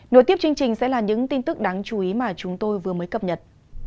nội tiếp chương trình sẽ là những tin tức đáng chú ý mà chúng tôi vừa mới cập nhật